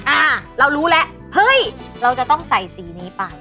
อ่าเรารู้แล้วเฮ้ยเราจะต้องใส่สีนี้ไป